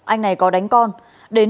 anh này có đánh con đến